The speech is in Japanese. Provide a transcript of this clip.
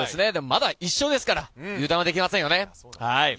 まだ１勝ですから油断できませんよね。